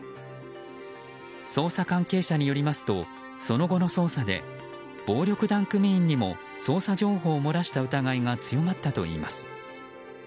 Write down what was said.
捜査関係者によりますとその後の捜査で暴力団組員にも捜査情報を漏らした疑いが強まったといいます。